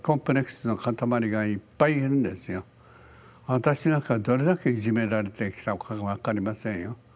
私なんかどれだけいじめられてきたことか分かりませんよ。